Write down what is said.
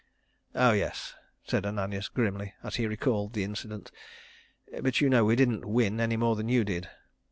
"Oh yes," said Ananias grimly, as he recalled the incident. "But you know we didn't win any more than you did."